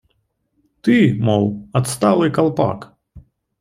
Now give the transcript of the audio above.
Ты, мол, отсталый колпак.